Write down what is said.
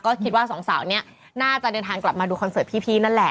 ก็คิดว่าสองสาวนี้น่าจะเดินทางกลับมาดูคอนเสิร์ตพี่นั่นแหละ